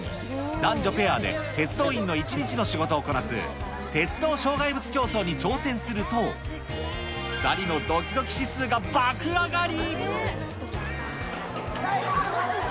男女ペアで鉄道員の一日の仕事をこなす、鉄道障害物競走に挑戦すると、２人のどきどき指数が爆上がり。